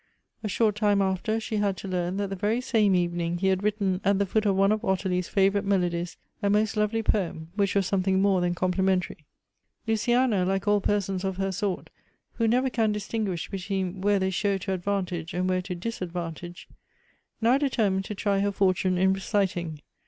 A short time after, she had to learn that the very same evening he had written, at the foot of one of Ottilie's favorite melodies, a most lovely poem, which was some thing more than complimentary. Luciana, like all persons of her sort, who never can dis tinguish between where they show to advantage and where to disadvantage, now determined to try her for tune in reciting.